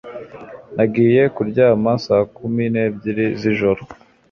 nagiye kuryama saa kumi n'ebyiri z'ijoro